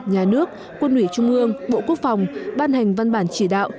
nhà nước quân ủy trung ương bộ quốc phòng ban hành văn bản chỉ đạo